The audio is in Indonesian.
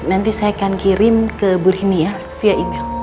nanti saya akan kirim ke bu rini ya via email